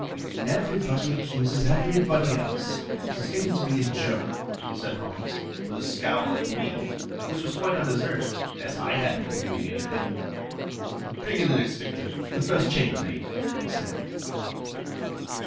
"Everybody accuses everybody else. This is getting to be a joke," said Holmes, with a scowl at me, which was quite undeserved, as I hadn't been doing anything. "Bring in the next victim, the first chambermaid," he snapped.